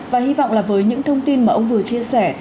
và hy vọng là với những thông tin mà ông vừa chia sẻ